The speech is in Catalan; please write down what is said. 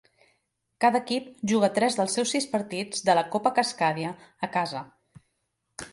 Cada equip juga tres dels seus sis partits de la Copa Cascadia a casa.